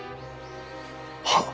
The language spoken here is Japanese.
はっ。